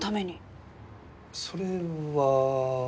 それは。